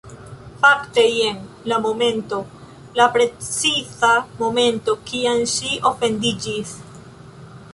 Fakte, jen la momento... la preciza momento kiam ŝi ofendiĝis